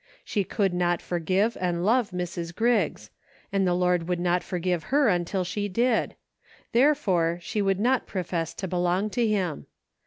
She could not forgive and love Mrs. Griggs, and the Lord would not forgive her until she did ; there fore she could not profess to belong to him.